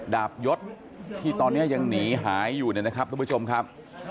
ดาบยศที่ตอนนี้ยังหนีหายอยู่เนี่ยนะครับทุกผู้ชมครับ